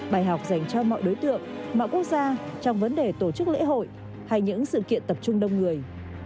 bài học dành cho mọi đối tượng mọi quốc gia trong vấn đề tổ chức lễ hội hay những sự kiện tập trung đông người